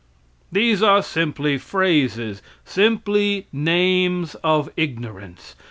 These are simply phrases, simply names of ignorance.